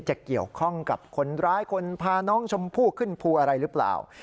จะเกี่ยวข้องกับคนร้ายคนพาน้องชมพู่ขึ้นภูอะไรหรือเปล่า